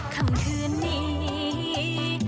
คำคืนนี้